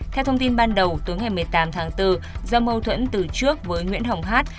theo thông tin ban đầu tối ngày một mươi tám tháng bốn do mâu thuẫn từ trước với nguyễn hồng hát